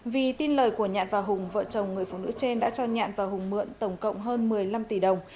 vì tin lời của nhạn và hùng vợ chồng người phụ nữ trên đã cho nhạn và hùng mượn tổng cộng hơn một mươi năm tỷ đồng